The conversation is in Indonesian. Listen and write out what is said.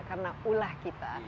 karena ulah kita